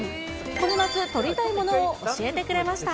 この夏、撮りたいものを教えてくれました。